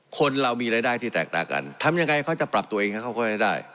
คนเรามีรายด้านที่ต่างกันทำยังไงก็จะปรับตัวเองก็จะได้